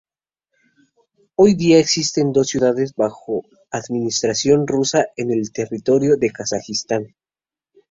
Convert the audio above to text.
Hoy día existen dos ciudades bajo administración rusa en el territorio de Kazajistán.